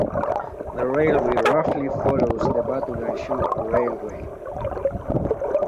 The railway roughly follows the Baotou–Lanzhou railway.